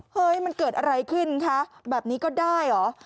เฮ้ยมันเกิดอะไรขึ้นคะแบบนี้ก็ได้เหรอ